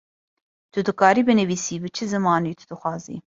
Tu dikarî binîvisî bi çi zimanî tu dixwazî.